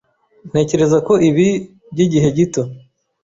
Ntekereza ko ibi byigihe gito.